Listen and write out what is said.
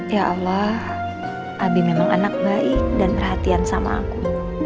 ya allah abi memang anak baik dan perhatian sama aku